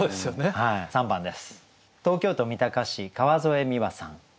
はい３番です。